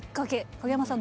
影山さん